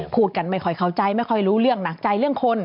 พูดกันไม่ค่อยเข้าใจไม่ค่อยรู้เรื่องหนักใจเรื่องคน